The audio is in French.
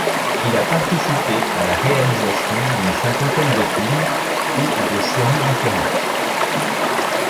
Il a participé à la réalisation d'une cinquantaine de films ou de séries différentes.